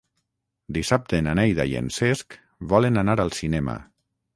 Dissabte na Neida i en Cesc volen anar al cinema.